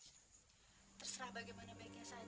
terserah bagaimana baiknya saja menurut pak man